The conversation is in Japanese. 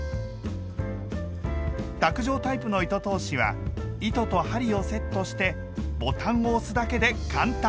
卓上タイプの糸通しは糸と針をセットしてボタンを押すだけで簡単！